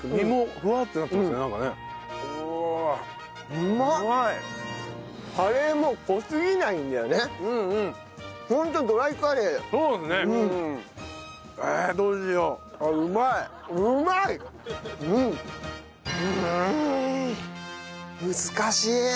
うーん難しい！